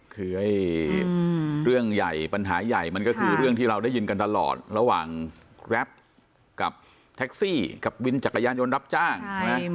คือเรื่องใหญ่ปัญหาใหญ่มันก็คือเรื่องที่เราได้ยินกันตลอดระหว่างแรปกับแท็กซี่กับวินจักรยานยนต์รับจ้างใช่ไหม